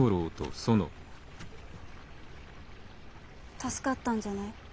助かったんじゃない？はあ。